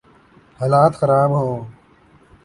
حالات خراب ہوں۔